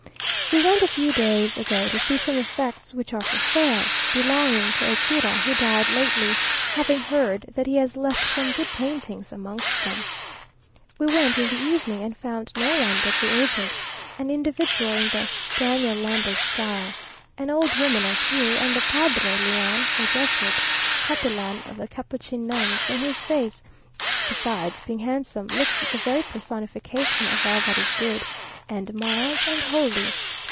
We went a few days ago to see some effects which are for sale, belonging to a cura who died lately, having heard that he has left some good paintings amongst them. We went in the evening, and found no one but the agent (an individual in the Daniel Lambert style), an old woman or two, and the Padre Leon, a Jesuit, capellan of the Capuchin nuns, and whose face, besides being handsome, looks the very personification of all that is good, and mild, and holy.